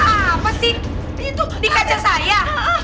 apa sih itu di kaca saya